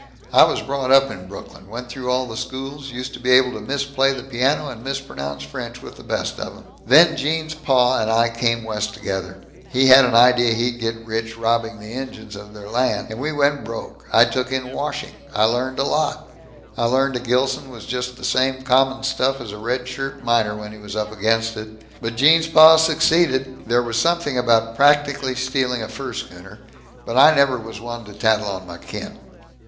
I was brought up in Brooklyn went through all the schools used to be able to misplay the piano and mispronounce French with the best of 'em. Then Gene's pa and I came West together he had an idea he'd get rich robbing the Injuns of their land. And we went broke. I took in washing. I learned a lot. I learned a Gilson was just the same common stuff as a red shirt miner, when he was up against it. But Gene's pa succeeded there was something about practically stealing a fur schooner but I never was one to tattle on my kin.